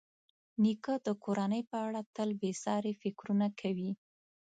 نیکه د کورنۍ په اړه تل بېساري فکرونه کوي.